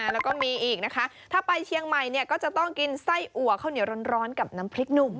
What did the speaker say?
แล้วก็มีอีกนะคะถ้าไปเชียงใหม่เนี่ยก็จะต้องกินไส้อัวข้าวเหนียวร้อนกับน้ำพริกหนุ่ม